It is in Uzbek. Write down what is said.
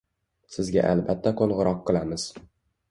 Sizga alabatta qo'ng'iroq qilamiz.